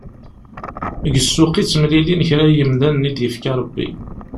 Deg ssuq i d-ttemlilin kra n yimdanen i d-yefka Rebbi.